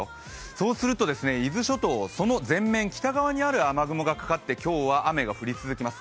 そうすると伊豆諸島、その前面、北側にある雲があって今日は雨が降り続けます